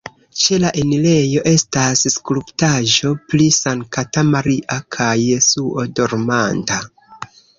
Ĉe la enirejo estas skulptaĵo pri Sankta Maria kaj Jesuo dormanta.